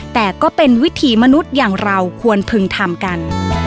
แต่ก็เป็นวิถีมนุษย์อย่างเราควรพึงทำกัน